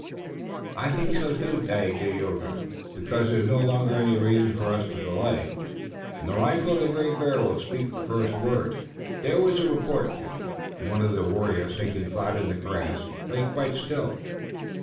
"I think so, too, Dagaeoga, because there is no longer any reason for us to delay, and the rifle of the Great Bear will speak the first word." There was a report near them, and one of the warriors, sinking flat in the grass, lay quite still.